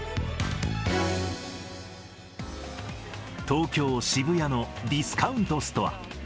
東京・渋谷のディスカウント